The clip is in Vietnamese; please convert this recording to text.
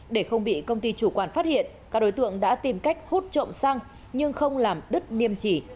để không bị công ty chủ quản phát hiện các đối tượng đã tìm cách hút trộm xăng nhưng không làm đứt niêm chỉ